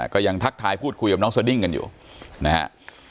ก็ยังทักทายพูดคุยกับน้องสดิ้งกันอยู่นะฮะ